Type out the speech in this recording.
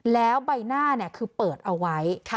แล้วใบหน้าคือเปิดเอาไว้